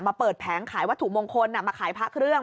อ่ะมาเปิดแผงให้วัตถุมงคลอ่ะมาขายพระเครื่อง